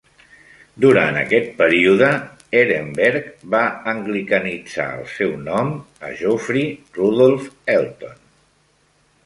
Durant aquest període, Ehrenberg va anglicanitzar el seu nom a Geoffrey Rudolph Elton.